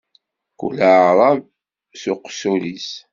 Kull aεrab s uqessul-is.